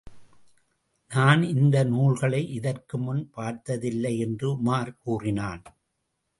நான் இந்த நூல்களை இதற்கு முன் பார்த்ததில்லை என்று உமார் கூறினான்.